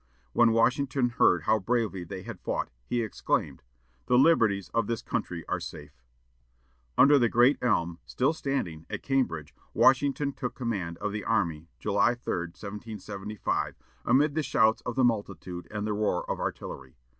When Washington heard how bravely they had fought, he exclaimed: "The liberties of the country are safe." Under the great elm (still standing) at Cambridge, Washington took command of the army, July 3, 1775, amid the shouts of the multitude and the roar of artillery.